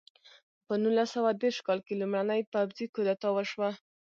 په نولس سوه دېرش کال کې لومړنۍ پوځي کودتا وشوه.